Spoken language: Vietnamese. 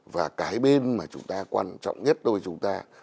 và cái bên mà chúng ta quan trọng nhất đối với chúng ta